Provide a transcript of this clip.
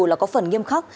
là có phần nghiêm khắc